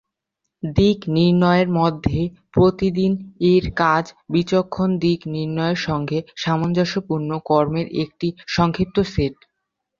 দিক নির্ণয়ের মধ্যে প্রতিদিন এর কাজ বিচক্ষণ দিক নির্ণয়ের সঙ্গে সামঞ্জস্যপূর্ণ কর্মের একটি সংক্ষিপ্ত সেট।